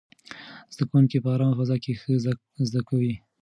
زده کوونکي په ارامه فضا کې ښه زده کوي.